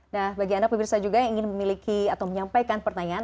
nah bagi anda pemirsa juga yang ingin memiliki atau menyampaikan pertanyaan